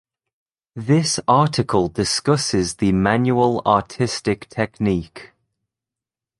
This article discusses the manual artistic technique.